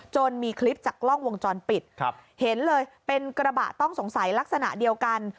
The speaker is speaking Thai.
มีคลิปจากกล้องวงจรปิดครับเห็นเลยเป็นกระบะต้องสงสัยลักษณะเดียวกัน